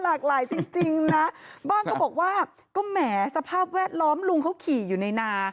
หลายจริงนะบ้างก็บอกว่าก็แหมสภาพแวดล้อมลุงเขาขี่อยู่ในนา